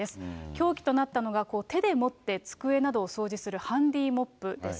凶器となったのが、手で持って机などを掃除するハンディーモップです。